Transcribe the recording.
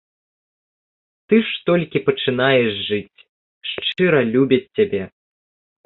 Ты ж толькі пачынаеш жыць, шчыра любяць цябе.